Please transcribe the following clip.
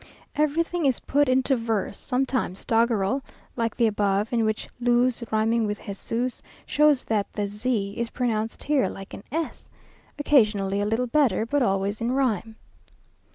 Everything is put into verse sometimes doggerel, like the above (in which luz rhyming with Jesús, shows that the z is pronounced here like an s), occasionally a little better, but always in rhyme.